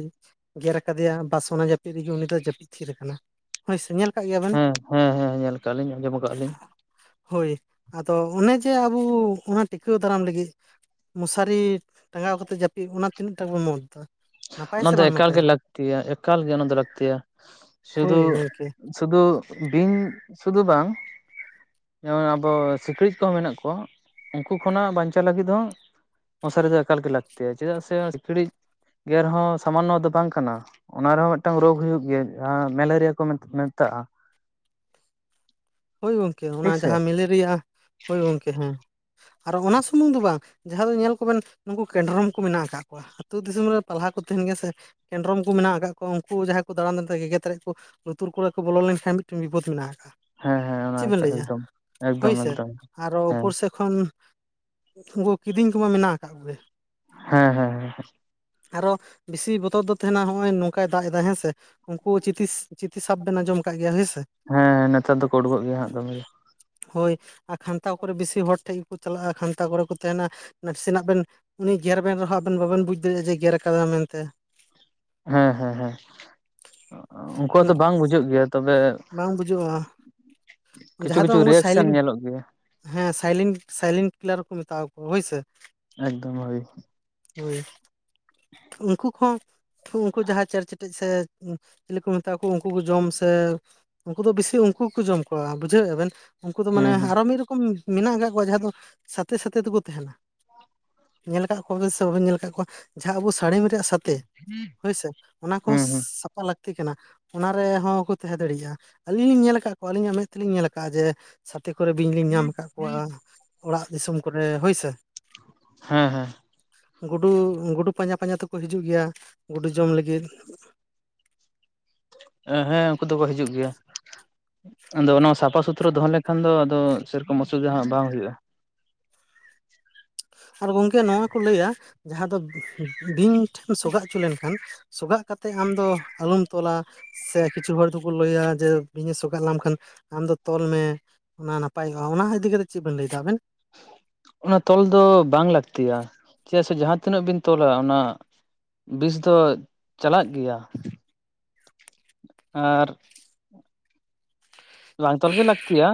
ᱜᱮᱨ ᱟᱠᱟᱫᱮᱭᱟ ᱵᱟᱥ ᱚᱱᱟ ᱡᱟᱹᱯᱤᱫ ᱨᱮᱜᱮ ᱩᱱᱤ ᱫᱚᱭ ᱡᱟᱹᱯᱤᱫ ᱛᱷᱤᱨ ᱠᱟᱱᱟ᱾ ᱦᱳᱭᱥᱮ ᱧᱮᱞ ᱠᱟᱜ ᱜᱮᱭᱟᱵᱮᱱ? ᱦᱮᱸ ᱦᱮᱸ ᱦᱮᱸ ᱧᱮᱞ ᱠᱟᱜ ᱞᱤᱧ ᱟᱸᱡᱚᱢ ᱠᱟᱜ ᱞᱤᱧ ᱦᱳᱭ ᱟᱫᱚ ᱚᱱᱮ ᱡᱮ ᱟᱵᱚ ᱚᱱᱟ ᱴᱤᱼᱼ ᱴᱤᱠᱟᱹᱣ ᱫᱟᱨᱟᱢ ᱞᱟᱹᱜᱤᱫ ᱢᱚᱥᱟᱨᱤ ᱴᱟᱸᱜᱟᱣ ᱠᱟᱛᱮ ᱡᱟᱹᱯᱤᱫ ᱚᱱᱟ ᱛᱤᱱᱟᱹᱜ ᱴᱟ ᱵᱚᱱ ᱢᱚᱛ ᱫᱟ᱾ ᱚᱱᱟ ᱫᱚ ᱮᱠᱟᱞ ᱜᱮ ᱞᱟᱹᱠᱛᱤᱭᱟ ᱮᱠᱟᱞ ᱜᱮ ᱚᱱᱟ ᱫᱚ ᱞᱟᱹᱠᱛᱤᱭᱟ ᱥᱩᱫᱩᱼᱼ ᱦᱳᱭ ᱜᱚᱝᱠᱮ ᱥᱩᱫᱩ ᱵᱤᱧ ᱥᱩᱫᱩ ᱵᱟᱝ᱾ ᱡᱮᱢᱚᱱ ᱟᱵᱚ ᱥᱤᱠᱲᱤᱡ ᱠᱚᱦᱚᱸ ᱢᱮᱱᱟᱜ ᱠᱚᱣᱟ ᱩᱱᱠᱩ ᱠᱷᱚᱱᱟᱜ ᱵᱟᱧᱪᱟᱣ ᱞᱟᱹᱜᱤᱫ ᱦᱚᱸ, ᱢᱚᱥᱟᱨᱤ ᱫᱚ ᱮᱠᱟᱞᱜᱮ ᱞᱟᱠᱛᱤᱭᱟ ᱪᱮᱫᱟᱜ ᱥᱮ ᱥᱤᱠᱲᱤᱡᱼ ᱜᱮᱨ ᱦᱚᱸ ᱥᱟᱢᱟᱱᱱᱚ ᱫᱚ ᱵᱟᱝ ᱠᱟᱱᱟ᱾ ᱚᱱᱟ ᱨᱮᱦᱚᱸ ᱢᱤᱫᱴᱟᱝ ᱨᱳᱜᱽ ᱦᱩᱭᱩᱜ ᱜᱮᱭᱟ ᱡᱟᱦᱟᱸ ᱢᱮᱞᱮᱨᱤᱭᱟ ᱠᱚ ᱢᱮᱛᱟᱜᱼᱟ᱾ ᱦᱳᱭ ᱜᱚᱢᱠᱮ ᱚᱱᱟ ᱴᱷᱤᱠ ᱥᱮ ᱡᱟᱦᱟᱸ ᱢᱮᱞᱮᱨᱤᱭᱟ ᱦᱳᱭ ᱜᱚᱢᱠᱮ ᱦᱮᱸ᱾ ᱟᱨ ᱚᱱᱟ ᱥᱩᱢᱩᱝ ᱫᱚ ᱵᱟᱝ ᱡᱟᱦᱟᱸ ᱫᱚ ᱧᱮᱞ ᱠᱚᱵᱮᱱ ᱱᱩᱠᱩ ᱠᱮᱰᱨᱚᱢ ᱠᱚ ᱢᱮᱱᱟᱜ ᱠᱟᱜ ᱠᱚᱣᱟ᱾ ᱟᱹᱛᱩ ᱫᱤᱥᱚᱢ ᱨᱮ ᱯᱟᱞᱦᱟ ᱠᱚ ᱛᱟᱦᱮᱱ ᱜᱮᱭᱟ ᱥᱮ ᱠᱮᱰᱨᱚᱢ ᱠᱚ ᱢᱮᱱᱟᱜ ᱠᱟᱜ ᱠᱚᱣᱟ ᱩᱱᱠᱩ ᱡᱟᱦᱟᱸᱭ ᱠᱚ ᱫᱟᱬᱟᱱ ᱜᱮᱜᱮᱛᱨᱮᱫ ᱠᱚᱼᱼ ᱞᱩᱛᱩᱨ ᱠᱚᱨᱮ ᱠᱚ ᱵᱚᱞᱚ ᱞᱮᱱᱠᱷᱟᱱ ᱢᱤᱫᱴᱮᱱ ᱵᱤᱯᱚᱫ ᱢᱮᱱᱟᱜ ᱠᱟᱜᱼᱟ᱾ ᱦᱮᱸ ᱦᱮᱸ ᱚᱱᱟ ᱪᱮᱫ ᱵᱮᱱ ᱞᱟᱹᱭᱮᱜᱼᱟ ᱮᱠᱫᱚᱢ ᱦᱳᱭ ᱮᱠᱫᱚᱢ ᱥᱮ ᱮᱠᱫᱚᱢ ᱟᱨᱚ ᱦᱮᱸ ᱩᱯᱚᱨ ᱥᱮᱫᱼᱼ ᱠᱷᱚᱱ ᱩᱱᱠᱩ ᱠᱤᱫᱤᱧ ᱠᱚᱢᱟ ᱢᱮᱱᱟᱜ ᱠᱟᱜ ᱠᱚᱜᱮ᱾ ᱦᱮᱸ ᱦᱮᱸ ᱦᱮᱸ᱾ ᱟᱨᱚ ᱵᱤᱥᱤ ᱵᱚᱛᱚᱨ ᱫᱚ ᱛᱟᱦᱮᱱᱟ ᱦᱚᱸᱜ-ᱚᱸᱭ ᱱᱚᱝᱠᱟᱭ ᱫᱟᱜ ᱮᱫᱟ ᱦᱮᱸ ᱥᱮ᱾ ᱩᱱᱠᱩ ᱪᱤᱛᱤᱥ ᱪᱤᱛᱤ ᱥᱟᱯ ᱵᱮᱱ ᱟᱸᱡᱚᱢ ᱠᱟᱜ ᱜᱮᱭᱟ ᱦᱳᱭ ᱥᱮ᱾ ᱦᱮᱸ ᱱᱮᱛᱟᱨ ᱫᱚ ᱠᱚ ᱚᱰᱚᱠᱚᱜ ᱜᱮᱭᱟ ᱦᱟᱸᱜ ᱫᱚᱢᱮ ᱜᱮ ᱾ ᱦᱳᱭ ᱟᱨ ᱠᱷᱟᱱᱛᱟ ᱠᱚᱨᱮ ᱵᱮᱥᱤ ᱦᱚᱲ ᱴᱷᱮᱡ ᱜᱮᱠᱚ ᱪᱟᱞᱟᱜ-ᱟ ᱠᱷᱟᱱᱛᱟ ᱠᱚᱨᱮ ᱠᱚ ᱛᱟᱦᱮᱱᱟ᱾ ᱱᱟᱥᱮᱱᱟᱜ ᱵᱮᱱ ᱩᱱᱤ ᱜᱮᱨ ᱵᱮᱱ ᱨᱮᱦᱚᱸ ᱟᱵᱮᱱ ᱵᱟᱵᱮᱱ ᱵᱩᱡᱽ ᱫᱟᱲᱮᱭᱟᱜᱼᱟ ᱡᱮ ᱜᱮᱨ ᱠᱟᱫᱟ ᱢᱮᱱᱛᱮ᱾ ᱦᱮᱸ ᱦᱮᱸ ᱦᱮᱸ ᱚᱸᱜ ᱩᱱᱠᱩᱣᱟᱜ ᱫᱚ ᱩᱱᱠᱩ ᱵᱟᱝ ᱵᱩᱡᱷᱟᱹᱜ ᱜᱮᱭᱟ ᱛᱚᱵᱮᱼᱼ ᱵᱟᱝ ᱵᱩᱡᱩᱜᱼᱟ ᱠᱤᱪᱷᱩ ᱡᱟᱦᱟᱸ ᱫᱚ ᱠᱤᱪᱷᱩ ᱩᱱᱠᱩ ᱨᱤᱭᱮᱠᱥᱮᱱ ᱥᱟᱭᱞᱮᱱᱴ ᱧᱮᱞᱚᱜ ᱜᱮᱭᱟ᱾ ᱦᱮᱸ ᱥᱟᱭᱞᱤᱱ ᱥᱟᱭᱞᱤᱱ ᱠᱤᱞᱟᱨ ᱠᱚ ᱢᱮᱛᱟᱣ ᱠᱚᱣᱟ ᱦᱳᱭ ᱥᱮ᱾ ᱮᱠᱫᱚᱢ ᱳᱭ᱾ ᱦᱳᱭ ᱩᱱᱠᱩ ᱠᱷᱚᱸᱼᱼ ᱩᱱᱠᱩ ᱡᱟᱦᱟᱸᱭ ᱪᱮᱨ ᱪᱮᱴᱮᱡ ᱥᱮ ᱩᱸ ᱪᱤᱞᱤ ᱠᱩ ᱢᱮᱛᱟ ᱠᱩ ᱩᱱᱠᱩ ᱠᱚ ᱡᱚᱢ ᱥᱮᱼᱼ ᱩᱱᱠᱩ ᱫᱚ ᱵᱤᱥᱤ ᱩᱱᱠᱩ ᱜᱮᱠᱚ ᱡᱚᱢ ᱠᱚᱣᱟ ᱵᱩᱡᱷᱟᱹᱣᱮᱜ-ᱟ ᱵᱮᱱ ᱩᱱᱠᱩ ᱫᱚ ᱢᱟᱱᱮ ᱦᱩᱸ ᱦᱩᱸ ᱟᱨᱚ ᱢᱤᱫ ᱨᱚᱠᱚᱢᱼᱼ ᱢᱮᱱᱟᱜ ᱟᱠᱟᱜ ᱠᱚᱣᱟ ᱡᱟᱦᱟᱸ ᱫᱚ ᱥᱟᱛᱮᱮ ᱥᱟᱛᱮ ᱛᱮᱠᱚ ᱛᱟᱦᱮᱱᱟ᱾ ᱧᱮᱞ ᱠᱟᱜ ᱠᱚᱣᱟ ᱥᱮ ᱵᱟᱵᱮᱱ ᱧᱮᱞ ᱠᱟᱜ ᱠᱚᱣᱟ ᱡᱟᱦᱟᱸ ᱟᱵᱚ ᱥᱟᱲᱤᱢᱼᱼ ᱥᱟᱛᱮ ᱦᱳᱭᱥᱮ ᱚᱱᱟ ᱠᱚ ᱦᱩᱸ ᱦᱚᱸᱥᱼᱼ ᱦᱩᱸ ᱯᱟ ᱞᱟᱠᱛᱤ ᱠᱟᱱᱟ ᱚᱱᱟ ᱨᱮᱦᱚᱸ ᱠᱚ ᱛᱮᱦᱮᱸ ᱫᱟᱹᱲᱤᱭᱟᱜ-ᱟ ᱟᱸᱞᱤᱧ ᱞᱤᱧ ᱧᱮᱞ ᱟᱠᱟᱜᱼᱼ ᱟᱹᱞᱤᱧᱟᱜ ᱢᱮᱫ ᱛᱮᱞᱤᱧ ᱧᱮᱞ ᱟᱠᱟᱜ-ᱟ ᱡᱮ ᱥᱟᱛᱮ ᱠᱚᱨᱮ ᱵᱤᱧ ᱞᱤᱧ ᱧᱟᱢ ᱠᱟᱜ ᱠᱚᱣᱟ᱾ ᱚᱲᱟᱜ ᱫᱤᱥᱚᱢ ᱠᱚᱨᱮ ᱦᱳᱭ ᱥᱮ᱾ ᱦᱮᱸ ᱦᱮᱸ᱾ ᱜᱩᱰᱩ ᱜᱩᱰᱩ ᱯᱟᱸᱡᱟ ᱯᱟᱸᱡᱟ ᱛᱮᱠᱚ ᱦᱤᱡᱩᱜ ᱜᱮᱭᱟ ᱜᱩᱰᱩ ᱡᱚᱢ ᱞᱟᱹᱜᱤᱫᱼᱼ ᱮ ᱦᱮᱸ ᱩᱱᱠᱩ ᱫᱚᱠᱚ ᱦᱤᱡᱩᱜ ᱜᱮᱭᱟ᱾ ᱟᱫᱚ ᱚᱱᱟ ᱥᱟᱯᱷᱟ ᱥᱩᱛᱷᱨᱚ ᱫᱚᱦᱚ ᱞᱮᱠᱷᱟᱱ ᱫᱚ ᱟᱫᱚ ᱥᱮᱭ ᱨᱚᱠᱚᱢ ᱚᱥᱩᱵᱤᱫᱟ ᱦᱟᱸᱜ ᱵᱟᱝ ᱦᱩᱭᱩᱜ-ᱟ᱾ ᱟᱨ ᱜᱚᱝᱠᱮ ᱱᱚᱣᱟ ᱠᱚ ᱞᱟᱹᱭᱟ ᱡᱟᱦᱟᱸ‌ᱩᱸ ᱫᱚ ᱵᱤᱧ ᱴᱷᱮᱱᱼᱼ ᱥᱚᱜᱟᱜ ᱩᱪᱩ‌ ᱞᱮᱱᱠᱷᱟᱱ ᱥᱚᱜᱟᱜ ᱠᱟᱛᱮᱜ ᱟᱢᱫᱚ ᱟᱞᱚᱢ ᱛᱚᱞᱟᱼᱼ ᱥᱮ ᱠᱤᱪᱷᱩ ᱦᱚᱲ ᱫᱚᱠᱚ ᱞᱟᱹᱭᱟ ᱡᱮ ᱵᱤᱧᱮ ᱥᱚᱜᱟᱜ ᱞᱟᱢ ᱠᱷᱟᱱ ᱟᱢ ᱫᱚ ᱛᱚᱞ ᱢᱮ᱾ ᱚᱱᱟ ᱱᱟᱯᱟᱭᱚᱜ-ᱟ ᱚᱱᱟ ᱤᱫᱤ ᱠᱟᱛᱮᱜ ᱪᱤᱜ ᱵᱮᱱ ᱞᱟᱹᱭ ᱫᱟ ᱟᱵᱮᱱ? ᱚᱱᱟ ᱛᱚᱞ ᱫᱚ ᱵᱟᱝ ᱞᱟᱠᱛᱤ ᱭᱟ ᱪᱮᱫᱟᱜ ᱥᱮ ᱡᱟᱦᱟᱸ ᱛᱤᱱᱟᱹᱜ ᱵᱤᱱ ᱛᱚᱞᱟ ᱚᱱᱟᱼᱼ ᱵᱤᱥ ᱫᱚ ᱪᱟᱞᱟᱜ ᱜᱮᱭᱟ᱾ ᱟᱨᱼᱼ ᱵᱟᱝ ᱛᱚᱞ ᱜᱮ ᱞᱟᱹᱠᱛᱤ ᱭᱟ᱾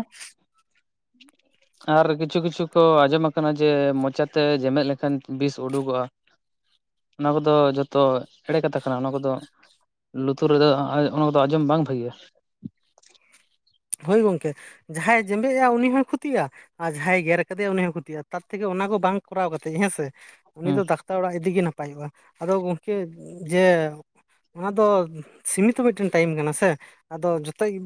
ᱟᱨ ᱠᱤᱪᱷᱩ ᱠᱤᱪᱷᱩ ᱠᱚ ᱟᱸᱡᱚᱢ ᱟᱠᱟᱱᱟ ᱡᱮ ᱢᱚᱪᱟ ᱛᱮ ᱡᱮᱢᱮᱫ ᱞᱮᱠᱷᱟᱱ ᱵᱤᱥ ᱩᱰᱩᱜᱚᱜ-ᱟ᱾ *unintelligible* ᱚᱱᱟ ᱠᱚᱫᱚ ᱡᱚᱛᱚ ᱮᱲᱮ ᱠᱟᱛᱷᱟ ᱠᱟᱱᱟ ᱚᱱᱟ ᱠᱚᱫᱚᱼᱼ ᱞᱩᱛᱩᱨ ᱨᱮᱫᱚ ᱟᱸ ᱚᱱᱟ ᱠᱚᱫᱚ ᱟᱸᱡᱚᱢ ᱵᱟᱝ ᱵᱷᱟᱹᱜᱤᱭᱟ᱾ ᱦᱳᱭ ᱜᱚᱝᱠᱮ, ᱡᱟᱦᱟᱸᱭ ᱡᱮᱢᱵᱮᱜ ᱮᱜ-ᱟ ᱩᱱᱤ ᱦᱚᱭ ᱠᱷᱚᱛᱤᱜ-ᱟ᱾ ᱟᱨ ᱡᱟᱦᱟᱸᱭ ᱜᱮᱨ ᱠᱟᱫᱮᱭᱟ ᱩᱱᱤ ᱦᱚᱸ ᱠᱷᱩᱛᱤᱜ-ᱟ, ᱛᱟᱨ ᱛᱷᱮᱠᱮ ᱚᱱᱟ ᱠᱚ ᱵᱟᱝ ᱠᱚᱨᱟᱣ ᱠᱟᱛᱮᱜ ᱦᱮᱸ ᱥᱮ ᱩᱱᱤ ᱦᱮᱸ ᱫᱚ ᱰᱟᱠ- ᱛᱟᱨ ᱚᱲᱟᱜ ᱤᱫᱤ ᱜᱮ ᱱᱟᱯᱟᱭᱚᱜ-ᱟ ᱟᱫᱚ ᱜᱚᱝᱠᱮ ᱡᱮ ᱚᱱᱟ ᱫᱚ ᱥᱤᱢᱤᱛᱚ ᱢᱤᱫᱴᱮᱱ ᱴᱟᱭᱤᱢ ᱠᱟᱱᱟ ᱥᱮ ᱟᱫᱚ ᱡᱚᱛᱚ ᱜᱤ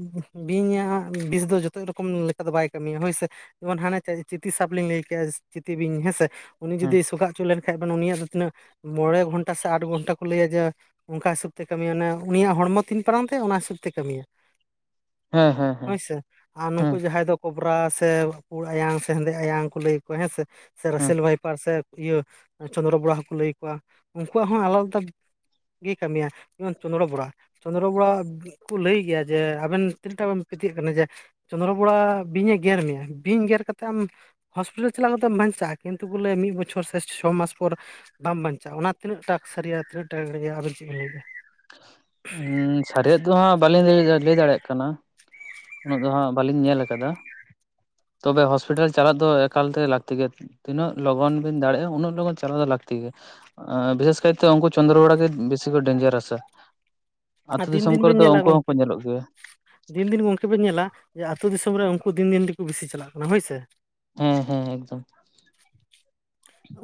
ᱵᱤᱧᱟᱜ ᱵᱤᱥ ᱫᱚ ᱡᱚᱛᱚ ᱨᱚᱠᱚᱢ ᱞᱮᱠᱟ ᱫᱚ ᱵᱟᱭ ᱠᱟᱹᱢᱤᱭᱟ ᱦᱳᱭ ᱥᱮ, ᱡᱮᱢᱚᱱ ᱦᱟᱱᱮ ᱪᱟ ᱪᱤᱛᱤ ᱥᱟᱯ‌ ᱞᱤᱧ ᱞᱟᱹᱭ ᱠᱮᱜ-ᱟ᱾ ᱪᱤᱛᱤ ᱵᱤᱧ ᱦᱮᱸ ᱥᱮ, ᱩᱱᱤ ᱦᱮᱸ ᱡᱩᱫᱤ ᱥᱚᱜᱟᱜ ᱚᱪᱚ ᱞᱮᱱ- ᱠᱷᱟᱡ ᱵᱮᱱ ᱩᱱᱤᱭᱟᱜ ᱫᱚ ᱛᱤᱱᱟᱹᱜ ᱢᱚᱬᱮ ᱜᱷᱚᱱᱴᱟ ᱥᱮ ᱟᱴ ᱜᱷᱚᱱᱴᱟ ᱠᱚ ᱞᱟᱹᱭᱟ ᱡᱮ ᱚᱱᱠᱟ ᱦᱤᱥᱟᱹᱵᱽ ᱛᱮᱭ ᱠᱟᱹᱢᱤᱭᱟ ᱢᱟᱱᱮ ᱩᱱᱤᱭᱟᱜ ᱦᱚᱲᱢᱚ ᱛᱤᱱ ᱯᱟᱨᱟᱢ ᱛᱟᱭᱟ ᱚᱱᱟ ᱦᱤᱥᱟᱹᱵᱽ ᱛᱮᱭ ᱠᱟᱹᱢᱤᱭᱟ᱾ ᱦᱮᱸ ᱦᱮᱸ ᱦᱮᱸ ᱦᱳᱭ ᱥᱮ ᱟᱨ ᱦᱮᱸ ᱱᱩᱠᱩ ᱡᱟᱦᱟᱸᱭ ᱫᱚ ᱠᱚᱵᱽᱨᱟ ᱥᱮ ᱯᱩᱬ ᱟᱭᱟᱝ ᱥᱮ ᱦᱮᱸᱫᱮ ᱟᱭᱟᱝ ᱠᱩ ᱞᱟᱹᱭ ᱠᱚᱣᱟ ᱦᱮᱸ ᱥᱮ ᱥᱮᱸ ᱨᱟᱥᱮᱞ ᱵᱟᱭᱯᱟᱨ ᱥᱮ ᱤᱭᱟᱹ ᱪᱚᱱᱫᱽᱨᱚ ᱵᱚᱲᱟ ᱦᱚᱸ ᱠᱩ ᱞᱟᱹᱭ ᱠᱚᱣᱟ ᱩᱱᱠᱩᱣᱟᱜ ᱦᱚᱸ ᱟᱞᱟᱫᱟ ᱜᱮᱭ ᱠᱟᱹᱢᱤᱭᱟ ᱡᱮᱢᱚᱱ ᱪᱚᱱᱫᱽᱲᱚ ᱵᱚᱲᱟ, ᱪᱚᱱᱫᱽᱨᱟ ᱵᱚᱲᱟ ᱟᱜ ᱠᱚ ᱞᱟᱹᱭ ᱜᱮᱭᱟ ᱡᱮ ᱟᱵᱮᱱ ᱛᱤᱱᱟᱹᱜ ᱴᱟᱜ ᱮᱢ ᱯᱟᱹᱛᱭᱟᱹᱜ ᱠᱟᱱᱟ ᱡᱮ ᱪᱚᱱᱫᱽᱨᱚ ᱵᱚᱲᱟ ᱵᱤᱧ ᱮ ᱜᱮᱨ ᱢᱮᱭᱟ, ᱵᱤᱧ ᱜᱮᱨ ᱠᱟ ᱠᱟᱛᱮᱜ ᱟᱢ ᱦᱚᱥᱯᱤᱴᱟᱞ ᱪᱟᱞᱟᱣ ᱠᱟᱛᱮᱜ ᱮᱢ‌ ᱵᱟᱧᱪᱟᱜ-ᱟ, ᱠᱤᱱᱛᱩ ᱠᱚ ᱞᱟᱹᱭᱟ ᱢᱤᱫ ᱵᱚᱪᱷᱚᱨ ᱥᱮ ᱪᱷᱚ ᱢᱟᱥ ᱯᱚᱨ ᱵᱟᱢ‌ ᱵᱟᱧᱪᱟᱜ-ᱟ, ‌ ᱚᱱᱟ ᱛᱤᱱᱟᱹᱜ ᱴᱟᱠ ᱥᱟᱹᱨᱤᱭᱟ ᱛᱤᱱᱟᱹᱜ ᱴᱟ ᱮᱲᱮᱭᱟ ᱟᱵᱤᱱ ᱪᱤᱜ ᱵᱤᱱ ᱞᱟᱹᱭ‌ ᱫᱟ? ᱩᱸ ᱥᱟᱨᱤ ᱭᱟᱜ ᱫᱚ ᱦᱟᱸᱜ ᱵᱟᱞᱤᱧ ᱞᱟᱹᱭ ᱞᱟᱹᱭ ᱫᱟᱲᱮᱭᱟᱜ ᱠᱟᱱᱟ᱾ ᱩᱱᱟᱹᱜ ᱫᱚ ᱦᱟᱸᱜ ᱵᱟᱹᱞᱤᱧ ᱧᱮᱞ ᱠᱟᱫᱟ᱾ ᱛᱚᱵᱮ ᱦᱚᱥᱯᱤᱴᱟᱞ ᱪᱟᱞᱟᱜ ᱫᱚ ᱮᱠᱟᱞᱛᱮ ᱞᱟᱹᱠᱛᱤ ᱜᱮ᱾ ᱛᱤᱱᱟᱹᱜ ᱞᱚᱜᱚᱱ ᱵᱤᱱ ᱫᱟᱲᱮᱭᱟᱜ-ᱟ, ᱩᱱᱟᱹᱜ ᱞᱚᱜᱚᱱ ᱪᱟᱞᱟᱣ ᱫᱚ ᱞᱟᱹᱠᱛᱤ ᱜᱮᱭᱟ᱾ ᱵᱤᱥᱮᱥ ᱠᱟᱭᱛᱮ ᱩᱱᱠᱩ ᱪᱚᱱᱫᱨᱚ ᱜᱚᱲᱟ ᱜᱮ ᱵᱮᱥᱤ ᱠᱚ ᱰᱮᱧᱡᱟᱨᱟ ᱥᱮ᱾ ᱟᱨ ᱟᱛᱳ ᱫᱤᱱ ᱫᱤᱥᱚᱢ ᱫᱤᱱ ᱠᱚᱨᱮ ᱵᱮᱱ ᱫᱚ ᱧᱮᱞᱟ ᱩᱱᱠᱩ ᱜᱚᱝᱠᱮ ᱦᱚᱸᱠᱚ ᱧᱮᱞᱚᱜ ᱜᱮᱭᱟ᱾ ᱫᱤᱱ ᱫᱤᱱ ᱜᱚᱝᱠᱮ ᱯᱮ ᱧᱮᱞᱟ, ᱡᱮ ᱟᱛᱳ ᱫᱤᱥᱚᱢ ᱨᱮ ᱩᱱᱠᱩ ᱫᱤᱱ ᱫᱤᱱ ᱛᱮᱠᱚ ᱵᱤᱥᱤ ᱪᱟᱞᱟᱜ ᱠᱟᱱᱟ ᱦᱳᱭ ᱥᱮ᱾ ᱦᱮᱸ ᱦᱮᱸ ᱮᱠᱫᱚᱢ,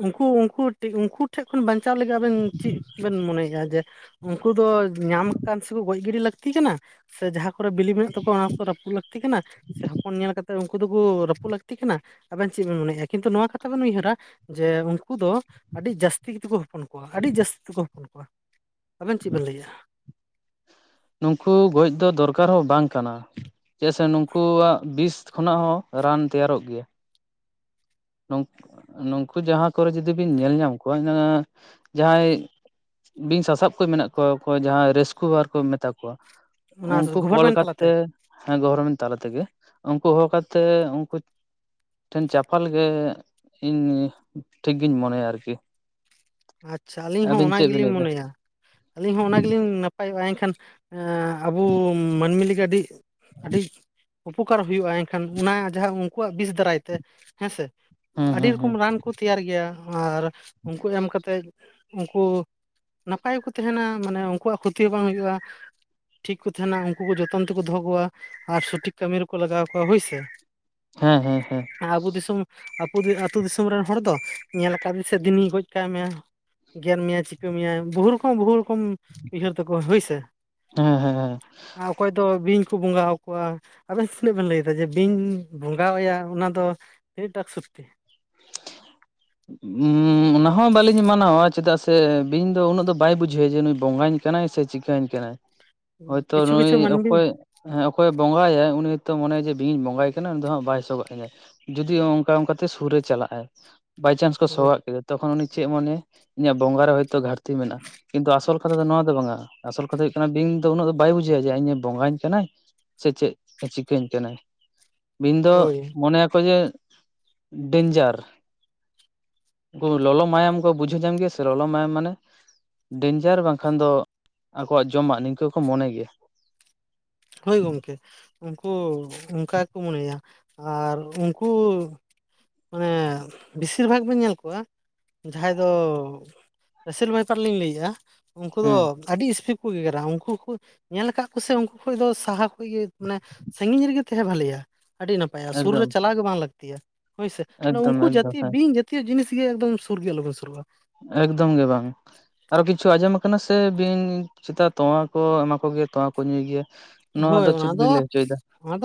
ᱩᱱᱠᱩ ᱩᱱᱠᱩ ᱩᱱᱠᱩ ᱴᱷᱮᱱ ᱠᱷᱚᱱ ᱵᱟᱧᱪᱟᱣ ᱞᱟᱹᱜᱤᱫ ᱟᱵᱮᱱ ᱪᱮᱫ ᱵᱮᱱ ᱢᱚᱱᱮᱭᱮᱫ-ᱟ ᱡᱮ ᱩᱱᱠᱩ ᱫᱚ ᱧᱟᱢ ᱥᱮᱠᱩ ᱜᱚᱡ ᱜᱤᱰᱤ ᱞᱟᱹᱠᱛᱤ ᱠᱟᱱᱟ, ᱥᱮ ᱡᱟᱦᱟᱸ ᱠᱚᱨᱮ ᱵᱤᱞᱤ ᱢᱮᱱᱟᱜ ᱛᱟᱠᱚᱣᱟ ᱚᱱᱟ ᱠᱚ ᱨᱟᱹᱯᱩᱫ ᱞᱟᱹᱠᱛᱤ ᱠᱟᱱᱟ᱾ ᱥᱮ ᱦᱚᱯᱚᱱ ᱧᱮᱞ ᱠᱟᱛᱮ ᱩᱱᱠᱩ ᱫᱚᱠᱚ ᱨᱟᱹᱯᱩᱫ ᱞᱟᱹᱠᱛᱤ ᱠᱟᱱᱟ ᱟᱵᱮᱱ ᱪᱮᱫ ᱵᱮᱱ ᱢᱚᱱᱮᱫ-ᱟ᱾ ᱠᱤᱱᱛᱩ ᱱᱚᱣᱟ ᱠᱟᱛᱷᱟ ᱵᱮᱱ ᱩᱭᱦᱟᱹᱨᱟ ᱡᱮ ᱩᱱᱠᱩ ᱫᱚ ᱟᱹᱰᱤ ᱡᱟᱹᱥᱛᱤ ᱠᱟᱛᱮ ᱠᱚ ᱦᱚᱯᱚᱱ ᱠᱚᱣᱟ, ᱟᱹᱰᱤ ᱡᱟᱹᱥᱛᱤ ᱛᱮᱠᱚ ᱦᱚᱱ- ᱯᱚᱱ ᱠᱚᱣᱟ ᱟᱵᱮᱱ ᱪᱮᱫ ᱵᱮᱱ ᱞᱟᱹᱭᱮᱫ-ᱟ? ᱱᱩᱠᱩ ᱜᱚᱡ ᱫᱚ ᱫᱚᱨᱠᱟᱨ ᱦᱚᱸ ᱵᱟᱝ ᱠᱟᱱᱟ᱾ ᱪᱮᱫᱟᱜ ᱥᱮ ᱱᱩᱠᱩᱣᱟᱜ ᱵᱤᱥ ᱠᱷᱚᱱᱟᱜ ᱦᱚᱸ ᱨᱟᱱ ᱛᱮᱭᱟᱨᱚᱜ ᱜᱮᱭᱟ᱾ ᱱᱩᱝᱠᱩ ᱡᱟᱦᱟᱸ ᱠᱚᱨᱮ ᱡᱩᱫᱤ ᱵᱤᱱ ᱧᱮᱞ ᱧᱟᱢ ᱡᱟᱦᱟᱸᱭ ᱵᱤᱧ ᱥᱟ-ᱥᱟᱵ ᱠᱚ ᱢᱮᱱᱟᱜ ᱠᱚᱣᱟ, ᱡᱟᱦᱟᱸᱭ ᱨᱟᱹᱥᱠᱩ ᱟᱨ ᱠᱚ ᱢᱮᱛᱟ ᱠᱚᱣᱟ᱾ ᱚᱱᱟ ᱩᱱᱠᱩ ᱠᱚᱞ ᱜᱚᱵᱷᱚᱨᱢᱮᱱᱴ ᱛᱟᱞᱟᱛᱮ ᱠᱟᱛᱮ ᱦᱮᱸ ᱜᱷᱚᱨᱢᱮᱱᱴ ᱛᱟᱞᱟ ᱛᱮᱜᱮ, ᱩᱱᱠᱩ ᱦᱚᱻ ᱠᱟᱛᱮᱜ ᱩᱱᱠᱩ ᱴᱷᱮᱱ ᱪᱟᱯᱟᱞ ᱜᱮ ᱤᱧ ᱴᱷᱤᱠ ᱜᱤᱧ ᱢᱚᱱᱮᱭᱟ ᱟᱨᱠᱤ ᱟᱪᱪᱷᱟ ᱟᱹᱞᱤᱧ ᱦᱚᱸ ᱟᱹᱵᱤᱱ ᱚᱱᱟ ᱪᱮᱫ ᱵᱤᱱ ᱜᱮᱞᱤᱧ ᱞᱟᱹᱭᱫᱟ ᱢᱚᱱᱮᱭᱟ, ᱟᱹᱞᱤᱧ ᱦᱚᱸ ᱜᱮᱞᱤᱧ ᱱᱟᱯᱟᱭᱚᱜ-ᱟ ᱮᱱᱠᱷᱟᱱ ᱟᱵᱚ ᱢᱟᱹᱱᱢᱤ ᱞᱟᱹᱜᱤᱫ ᱟᱹᱰᱤ ᱟᱹᱰᱤ ᱩᱯᱚᱠᱟᱨ ᱦᱩᱭᱩᱜ-ᱟ, ᱮᱱᱠᱷᱟᱱ ᱚᱱᱟ ᱡᱟᱦᱟᱸ ᱩᱱᱠᱩᱣᱟᱜ ᱵᱤᱥ ᱫᱟᱨᱟᱭ ᱛᱮ ᱦᱮᱸ ᱥᱮ ᱦᱩᱸ ᱟᱹᱰᱤ ᱦᱩᱸ ᱦᱩᱸ ᱨᱚᱠᱚᱢ ᱨᱟᱱ ᱠᱚ ᱛᱮᱭᱟᱨ ᱜᱮᱭᱟ ᱟᱨ ᱩᱱᱠᱩ ᱮᱢ ᱠᱟᱛᱮᱫ ᱩᱱᱠᱩ ᱱᱟᱯᱟᱭ ᱜᱮᱠᱚ ᱛᱟᱦᱮᱱᱟ, ᱢᱟᱱᱮ ᱩᱱᱠᱩᱣᱟᱜ ᱠᱷᱩᱛᱤ ᱦᱚᱸ ᱵᱟᱝ ᱦᱩᱭᱩᱜ-ᱟ᱾ ᱴᱷᱤᱠ ᱠᱚ ᱛᱟᱦᱮᱱᱟ ᱩᱱᱠᱩ ᱠᱚ ᱡᱚᱛᱚᱱ ᱛᱮᱠᱚ ᱫᱚᱦᱚ ᱠᱚᱣᱟ᱾ ᱟᱨ ᱥᱚ-ᱴᱷᱤᱠ ᱠᱟᱹᱢᱤ ᱨᱮᱠᱚ ᱞᱟᱜᱟᱣ ᱠᱚᱣᱟ ᱦᱳᱭ ᱥᱮ᱾ ᱦᱮᱸ ᱦᱮᱸ ᱦᱮᱸ ᱟᱵᱚ ᱫᱤᱥᱚᱢ ᱟᱹᱛᱩ ᱫᱤᱥᱚᱢ ᱨᱮᱱ ᱦᱚᱲ ᱫᱚ ᱧᱮᱞ ᱠᱟᱫᱮ ᱥᱮ ᱫᱤᱱᱤ ᱜᱚᱡ ᱠᱟᱭ ᱢᱮ᱾ ᱜᱮᱨ ᱢᱮᱭᱟᱭ ᱪᱤᱠᱟᱹ ᱢᱮᱭᱟᱭ ᱵᱚᱦᱩ ᱨᱚᱠᱚᱢ ᱵᱚᱦᱩ ᱨᱚᱠᱚᱢ ᱩᱭᱦᱟᱹᱨ ᱛᱟᱠᱚ ᱦᱳᱭ ᱥᱮ ᱦᱮᱸ ᱦᱮᱸ ᱦᱮᱸ ᱟᱨ ᱚᱠᱚᱭ ᱫᱚ ᱵᱤᱧ ᱠᱚ ᱵᱚᱸᱜᱟ ᱦᱟᱠᱚᱣᱟ᱾ ᱟᱵᱮᱱ ᱛᱤᱱᱟᱹᱜ ᱵᱮᱱ ᱞᱟᱹᱭ ᱮᱫᱟ ᱡᱮ ᱵᱤᱧ ᱵᱚᱸᱜᱟᱣᱟᱭᱟ ᱚᱱᱟ ᱫᱚ ᱛᱤᱱᱟᱹᱜ ᱴᱟ ᱥᱚᱠᱛᱤ? ᱦᱩᱸ᱾ ᱦᱩᱸ ᱚᱱᱟ ᱦᱚᱸ ᱵᱟᱹᱞᱤᱧ ᱢᱟᱱᱟᱣᱟ ᱪᱮᱫᱟᱜ ᱥᱮ ᱵᱤᱧ ᱫᱚ ᱩᱱᱟᱹᱜ ᱫᱚ ᱵᱟᱭ ᱵᱩᱡᱷᱟᱹᱣᱟ ᱡᱮ ᱱᱩᱭ ᱵᱚᱸᱜᱟᱧ ᱠᱟᱱᱟᱭ ᱥᱮ ᱪᱤᱠᱟᱹᱧ ᱠᱟᱱᱟᱭ᱾ ᱦᱳᱭᱛᱳ ᱠᱤᱪᱷᱩ ᱱᱩᱭ ᱠᱤᱪᱷᱩ ᱢᱟᱹᱱᱢᱤ ᱚᱠᱚᱭ ᱦᱮᱸ ᱚᱠᱚᱭᱮ ᱵᱚᱸᱜᱟᱭᱟᱭ ᱩᱱᱤ ᱦᱚᱛᱚ ᱢᱚᱱᱮᱭᱟ ᱡᱮ ᱵᱤᱧ ᱵᱚᱸᱜᱟᱭᱮ ᱠᱟᱱᱟ ᱩᱱᱤ ᱫᱚ ᱦᱟᱸᱜ ᱵᱟᱭ ᱥᱟᱵᱟᱜ ᱡᱩᱫᱤ ᱚᱱᱠᱟ ᱚᱱᱠᱟᱛᱮ ᱥᱩᱨ ᱨᱮ ᱪᱟᱞᱟᱜ ᱟᱭ ᱵᱟᱭᱪᱟᱥ ᱠᱚ ᱥᱚᱦᱚᱜ ᱠᱮᱫᱟ ᱛᱚᱠᱷᱚᱱ ᱩᱱᱤ ᱪᱮᱜ ᱮ ᱢᱚᱱᱮᱭᱟ? ᱤᱧᱟᱹᱜ ᱵᱚᱸᱜᱟ ᱨᱮ ᱦᱳᱭᱛᱳ ᱜᱷᱟᱨᱛᱤ ᱢᱮᱱᱟᱜ-ᱟ? ᱠᱤᱱᱛᱩ ᱟᱥᱚᱞ ᱠᱟᱛᱷᱟ ᱫᱚ ᱱᱚᱣᱟ ᱫᱚ ᱵᱟᱝᱟ ᱟᱥᱚᱞ ᱠᱟᱛᱷᱟ ᱦᱩᱭᱩᱜ ᱠᱟᱱᱟ ᱵᱤᱧ ᱫᱚ ᱩᱱᱟᱹᱜ ᱫᱚ ᱵᱟᱭ ᱵᱩᱡᱷᱟᱹᱣᱟ ᱡᱮ ᱤᱧᱮ ᱵᱚᱸᱜᱟᱧ ᱠᱟᱱᱟᱭ ᱥᱮ ᱪᱮᱜ ᱮ ᱪᱤᱠᱟᱹᱧ ᱠᱟᱱᱟ᱾ ᱵᱤᱧ ᱫᱚ ᱦᱳᱭ ᱢᱚᱱᱮᱭᱟᱠᱚ ᱡᱮ ᱰᱮᱧᱡᱟᱨ᱾ ᱠᱩ ᱞᱚᱞᱚ ᱢᱟᱭᱟᱢ ᱠᱚ ᱵᱩᱡᱷᱟᱹᱣ ᱧᱟᱢ ᱜᱮᱭᱟ ᱥᱮ ᱞᱚᱞᱚ ᱢᱟᱭᱟᱢ ᱢᱟᱱᱮ ᱰᱮᱧᱡᱟᱨ ᱵᱟᱝᱠᱷᱟᱱ ᱫᱚ ᱟᱠᱚᱣᱟᱜ ᱡᱚᱢᱟᱜ ᱱᱤᱝᱠᱟᱹ ᱠᱚ ᱢᱚᱱᱮ ᱜᱮᱭᱟ᱾ ᱦᱳᱭ ᱜᱚᱝᱠᱮ ᱩᱱᱠᱩ ᱚᱱᱠᱟ ᱜᱮᱠᱚ ᱢᱚᱱᱮᱭᱟ ᱟᱨ ᱩᱱᱠᱩ ᱢᱟᱱᱮ ᱵᱮᱥᱤᱨ ᱵᱷᱟᱜᱽ ᱵᱮᱱ ᱧᱮᱞ ᱠᱚᱣᱟ ᱡᱟᱦᱟᱸᱭ ᱫᱚ ᱵᱤᱥᱤᱨ ᱵᱷᱟᱭᱛᱟᱨ ᱞᱤᱧ ᱞᱟᱹᱭᱮᱜ-ᱟ ᱩᱱᱠᱩ ᱫᱚ ᱦᱩᱸ ᱟᱹᱰᱤ ᱤᱥᱯᱤᱰ ᱠᱚ ᱜᱮᱜᱮᱨᱟ ᱩᱱᱠᱩ ᱠᱩ ᱧᱮᱞ ᱟᱠᱟᱫ ᱠᱚ ᱥᱮ ᱩᱱ ᱠᱷᱟᱡ ᱫᱚ ᱥᱟᱦᱟ ᱠᱷᱚᱱ ᱜᱮ ᱢᱟᱱᱮ ᱥᱟᱺᱜᱤᱧ ᱨᱮᱜᱮ ᱛᱟᱦᱮᱸ ᱵᱷᱟᱹᱞᱮᱭᱟ᱾ ᱟᱹᱰᱤ ᱱᱟᱯᱟᱭᱟ ᱥᱩᱨ ᱨᱮ ᱮᱠᱫᱚᱢ ᱪᱟᱞᱟᱣ ᱜᱮ ᱵᱟᱝ ᱞᱟᱹᱠᱛᱤᱭᱟ ᱦᱳᱭ ᱥᱮ ᱮᱠᱫᱚᱢ ᱩᱱᱠᱩ ᱮᱠᱫᱚᱢ ᱡᱟᱹᱛᱤ ᱦᱮᱸ ᱵᱤᱧ ᱡᱟᱹᱛ ᱡᱟᱛᱤᱭᱚ ᱡᱤᱱᱤᱥ ᱜᱮ ᱮᱠᱫᱚᱢ ᱥᱩᱨ ᱜᱮ ᱟᱞᱚᱵᱚᱱ ᱥᱩᱨᱩᱜ-ᱟ᱾ ᱮᱠᱫᱚᱢ ᱜᱮ ᱵᱟᱝ᱾ ᱟᱨᱚ ᱠᱤᱪᱷᱩ ᱟᱸᱡᱚᱢ ᱠᱟᱱᱟ ᱥᱮ ᱵᱤᱧ ᱪᱮᱛᱟ ᱛᱳᱣᱟ ᱠᱚ ᱮᱢᱟ ᱠᱚᱜᱮᱭᱟ ᱛᱳᱣᱟ ᱠᱚ ᱧᱩᱭ ᱜᱮᱭᱟ? ᱱᱚᱣᱟ ᱦᱳᱭ ᱫᱚ ᱚᱱᱟ ᱪᱮᱫ ᱵᱤᱱ ᱞᱟᱹᱭ ᱦᱚᱪᱚᱭᱮᱫᱟ᱾ ᱚᱱᱟ